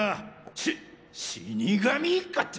し死神一家って。